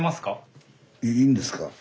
いいんですか？